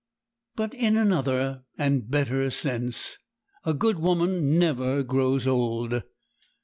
But in another and better sense a good woman never grows old.